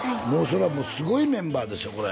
もうそれはすごいメンバーですよ